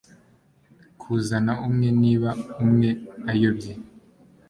Kuzana umwe niba umwe ayobye